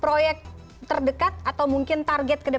proyek terdekat atau mungkin target kedepannya